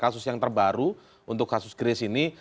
ini adalah kasus yang terbaru untuk kasus grace ini